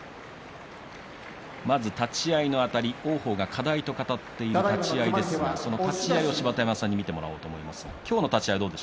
まず立ち合いのあたり王鵬が課題と語っていた立ち合いですが芝田山さんに見てもらおうと思います。